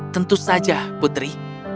tentu saja putri